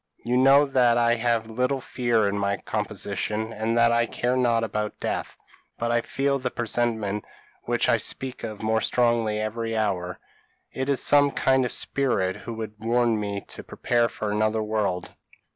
You know that I have little fear in my composition, and that I care not about death; but I feel the presentiment which I speak of more strongly every hour. It is some kind spirit who would warn me to prepare for another world.